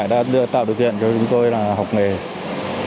trại đã tạo được tiện cho chúng tôi là học nghề